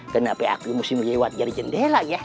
kenapa aku musti melewat jari jendela ya